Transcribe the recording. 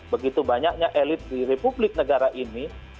begitu banyaknya elit di republik negara ini